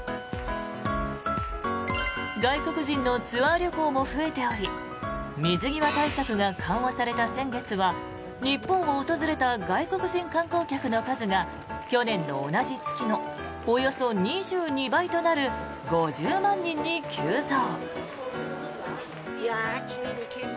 外国人のツアー旅行も増えており水際対策が緩和された先月は日本を訪れた外国人観光客の数が去年の同じ月のおよそ２２倍となる５０万人に急増。